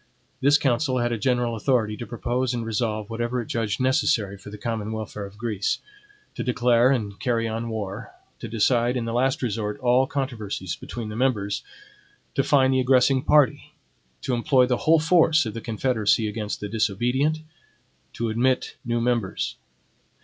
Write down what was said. This council had a general authority to propose and resolve whatever it judged necessary for the common welfare of Greece; to declare and carry on war; to decide, in the last resort, all controversies between the members; to fine the aggressing party; to employ the whole force of the confederacy against the disobedient; to admit new members.